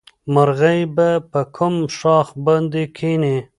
مرغۍ به په کوم ښاخ باندې کېني؟